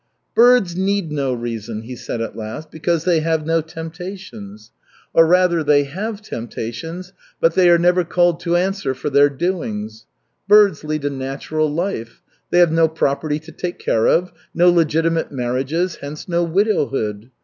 "Birds need no reason," he said at last, "because they have no temptations. Or, rather, they have temptations but they are never called to answer for their doings. Birds lead a natural life. They have no property to take care of, no legitimate marriages, hence no widowhood.